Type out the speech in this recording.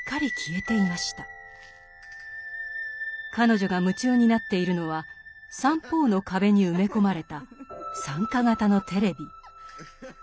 彼女が夢中になっているのは三方の壁に埋め込まれた参加型のテレビ。